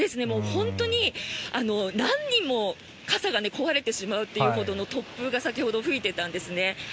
本当に何人も傘が壊れてしまうというほどの突風が先ほど吹いていたんですね。